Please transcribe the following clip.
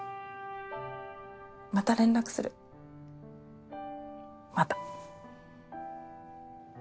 また連絡するまた。